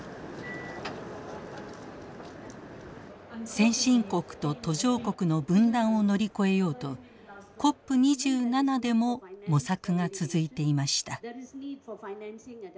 先進国と途上国の分断を乗り越えようとＣＯＰ２７でも模索が続いていました。